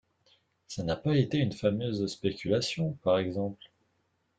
Ça n’a pas été une fameuse spéculation, par exemple!